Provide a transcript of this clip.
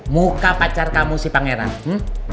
muka pacar kamu si pangeran